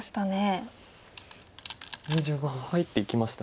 入っていきました。